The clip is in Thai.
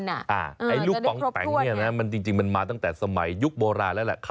ถึงได้ครบถ้วนอ่าไอ้ลูกปองแปงเนี่ยนะจริงมันมาตั้งแต่สมัยยุคโบราณแล้วละ